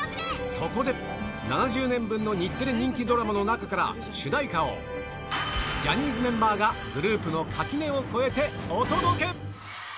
そこで７０年分の日テレ人気ドラマの中から、主題歌を、ジャニーズメンバーがグループの垣根を超えてお届け。